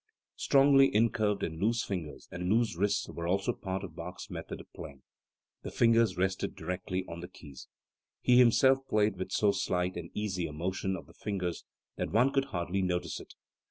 Strongly incurved and loose fingers and loose wrists were also part of Bach's method of playing. The fingers rested directly on the keys. He himself played with so slight and easy a motion of the fingers that one could hardly notice it.